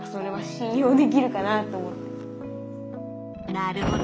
なるほど！